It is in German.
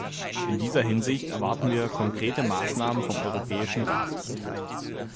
In dieser Hinsicht erwarten wir konkrete Maßnahmen vom Europäischen Rat.